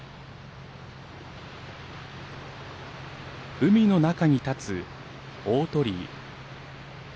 海の中に立つ大鳥居。